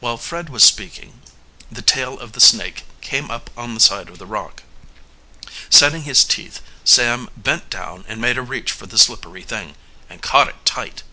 While Fred was speaking the tail of the snake came up on the side of the rock. Setting his teeth, Sam bent down and made a reach for the slippery thing, and caught it tight.